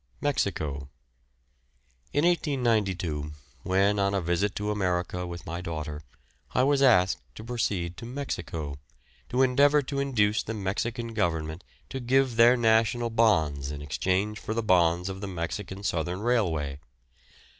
MEXICO. In 1892, when on a visit to America with my daughter, I was asked to proceed to Mexico, to endeavour to induce the Mexican Government to give their National Bonds in exchange for the bonds of the Mexican Southern Railway.